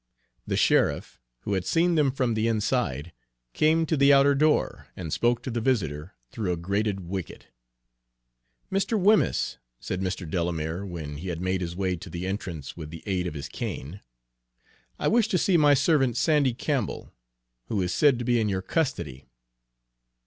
The sheriff, who had seen them from the inside, came to the outer door and spoke to the visitor through a grated wicket. "Mr. Wemyss," said Mr. Delamere, when he had made his way to the entrance with the aid of his cane, "I wish to see my servant, Sandy Campbell, who is said to be in your custody."